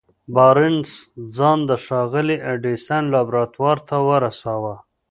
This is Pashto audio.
بارنس ځان د ښاغلي ايډېسن لابراتوار ته ورساوه.